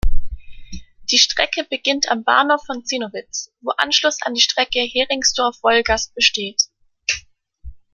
Die Strecke beginnt am Bahnhof von Zinnowitz, wo Anschluss an die Strecke Heringsdorf–Wolgast besteht.